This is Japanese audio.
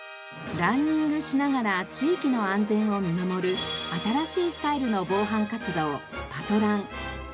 ランニングしながら地域の安全を見守る新しいスタイルの防犯活動「パトラン」。